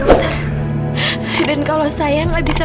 dokter juga udah terlalu banyak ngebantu saya